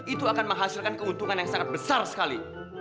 itu akan menghasilkan keuntungan yang sangat besar sekali